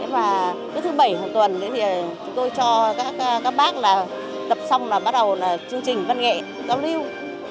và cứ thứ bảy hàng tuần thì tôi cho các bác tập xong là bắt đầu chương trình văn nghệ giao lưu